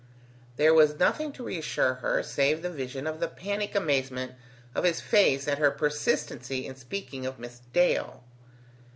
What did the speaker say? There was nothing to reassure her save the vision of the panic amazement of his face at her persistency in speaking of Miss Dale.